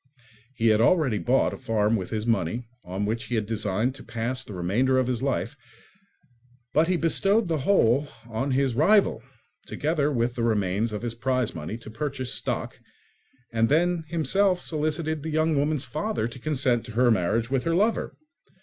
He had already bought a farm with his money, on which he had designed to pass the remainder of his life; but he bestowed the whole on his rival, together with the remains of his prize money to purchase stock, and then himself solicited the young woman's father to consent to her marriage with her lover.